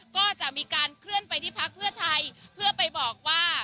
ก็จะมีการเคลื่อนไปที่พักเพื่อไทยเพื่อไปบอกว่า